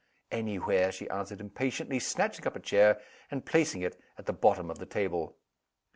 "Any where!" she answered, impatiently; snatching up a chair, and placing it at the bottom of the table.